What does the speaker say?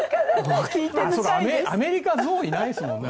アメリカにゾウいないですもんね